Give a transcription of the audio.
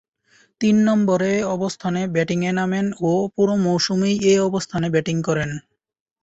তিন নম্বরে অবস্থানে ব্যাটিংয়ে নামেন ও পুরো মৌসুমেই এ অবস্থানে ব্যাটিং করেন।